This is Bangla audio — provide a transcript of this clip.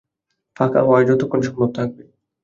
ফাঁকা হাওয়ায় যতক্ষণ সম্ভব থাকবে।